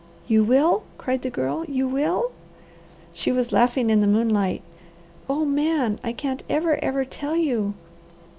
"You will?" cried the Girl. "You will?" She was laughing in the moonlight. "Oh Man, I can't ever, ever tell you!"